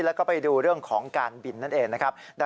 แล้วก็ไปดูเรื่องของการบินนั่นเองนะครับ